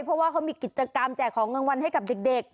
เพราะว่าเขามีกิจกรรมแจกของรางวัลให้กับเด็ก